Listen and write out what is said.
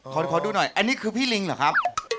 ขอดูหน่อยอันนี้คือพี่ลิงเหรอครับ